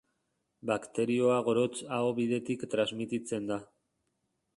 Bakterioa gorotz-aho bidetik transmititzen da.